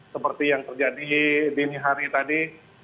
seperti yang terjadi dini hari tadi